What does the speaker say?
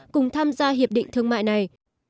cùng tham gia hiệp định thương mại này